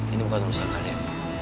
ini bukan usaha kalian